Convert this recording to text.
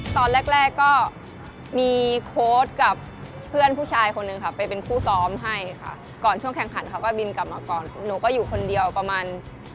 ตอนแรกแรกก็มีโค้ดกับเพื่อนผู้ชายคนหนึ่งค่ะไปเป็นคู่ซ้อมให้ค่ะก่อนช่วงแข่งขันเขาก็บินกลับมาก่อนหนูก็อยู่คนเดียวประมาณ